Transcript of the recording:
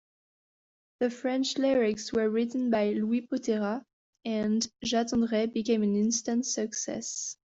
The French lyrics were written by Louis Poterat, and "J'attendrai" became an instant success.